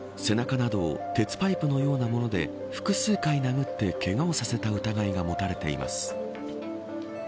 背中などを鉄パイプのようなもので複数回殴ってけがをさせた疑いが持たれています。